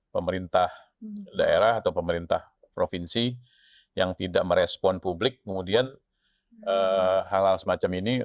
pemerintah daerah atau pemerintah provinsi yang tidak merespon publik kemudian hal hal semacam ini